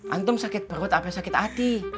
antum sakit perut apa sakit hati